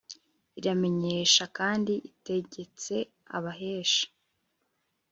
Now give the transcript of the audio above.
iramenyesha kandi itegetse abahesha